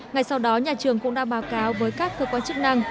ngay sau đó nhà trường cũng đã báo cáo với các cơ quan chức năng